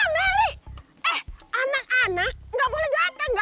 meli eh anak anak gak boleh dateng